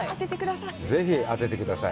当ててください。